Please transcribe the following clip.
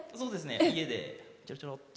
家で、ちょろちょろっと。